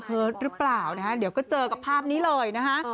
หรือเปล่านะฮะเดี๋ยวก็เจอกับภาพนี้เลยนะฮะ